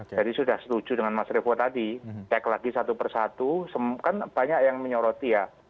jadi sudah setuju dengan mas revo tadi tag lagi satu persatu kan banyak yang menyoroti ya